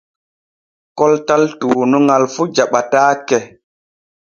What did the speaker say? Koltal tuunuŋal fu jaɓataake.